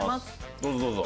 どうぞどうぞ。